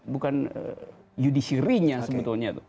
bukan judisirinya sebetulnya